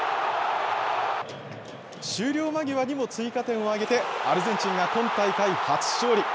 終了間際にも追加点を挙げて、アルゼンチンが今大会初勝利。